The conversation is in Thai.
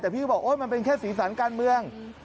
แต่พี่ก็บอกโอ๊ยมันเป็นแค่สีสันการเมือง